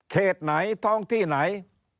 เขตไหนท้องที่ไหน